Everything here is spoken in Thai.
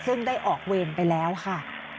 ซึ่งได้ออกเวรไปแล้วค่ะ